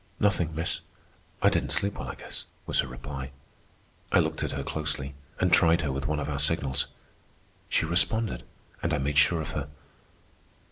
"Nothing, miss; I didn't sleep well, I guess," was her reply. I looked at her closely, and tried her with one of our signals. She responded, and I made sure of her.